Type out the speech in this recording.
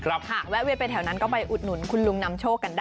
ใครไม่ไปให้ใครเดินร้อนนะ